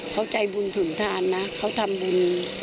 เขาใจบุญถุนทานนะเขาทำบุญ